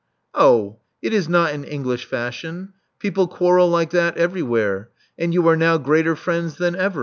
" Oh, it is not an English fashion. People quarrel like that everywhere. And you are now greater friends than ever.